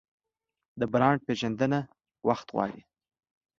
د برانډ پیژندنه وخت غواړي.